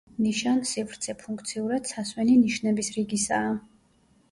ნიშანსივრცე ფუნქციურად სასვენი ნიშნების რიგისაა.